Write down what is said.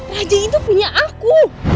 raja itu punya aku